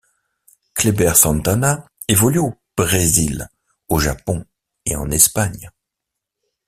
Cléber Santana évolue au Brésil, au Japon et en Espagne.